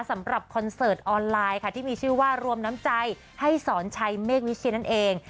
คอนเสิร์ตออนไลน์ค่ะที่มีชื่อว่ารวมน้ำใจให้สอนชัยเมฆวิเชียนั่นเอง